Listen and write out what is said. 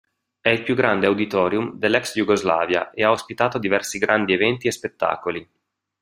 È il più grande auditorium dell'ex-Jugoslavia e ha ospitato diversi grandi eventi e spettacoli.